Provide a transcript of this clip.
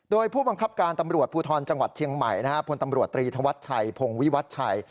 โดยผู้บังคับการตำรวจภูทรจังหวัดเชียงใหม่พลตำรวจตรีธวัชชัยพงวิวัชชัย